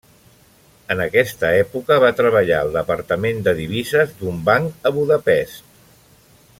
En aquesta època va treballar al departament de divises d'un banc a Budapest.